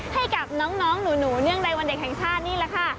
ให้กับน้องหนูเนื่องในวันเด็กแห่งชาตินี่แหละค่ะ